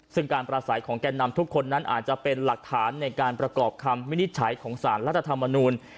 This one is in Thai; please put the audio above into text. ซึ่งการประสัยของแก่นำทุกคนนั้นอาจจะเป็นหลักฐานในการประกอบคำวินิจฉัยของสารรัฐธรรมนูล